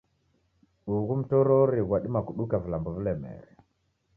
Ughu mtorori ghwadima kuduka vilambo vilemere.